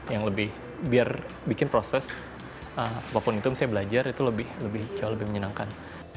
yang lebih biar bikin proses apapun itu misalnya belajar itu lebih jauh lebih menyenangkan